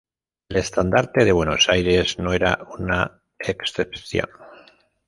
El estandarte de Buenos Aires no era una excepción.